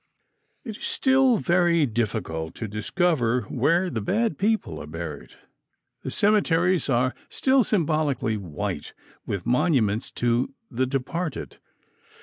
It is still very difficult to discover where the bad people are buried. The cemeteries are still symbolically white with monuments to the departed.